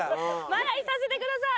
まだいさせてください！